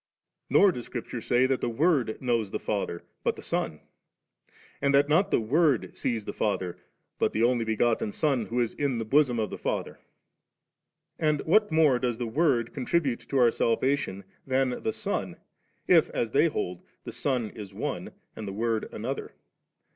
Nor does Scripture say that the Word knows the Father, but the Son ; and that not the Word sees the Father, but the Only begotten Son who is in the bosom of the Father. 21. And what more does the Word contribute to our salvation than the Son, if, as they hold, the Son is one, and the Word another?